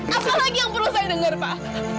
apa lagi yang perlu saya dengar pak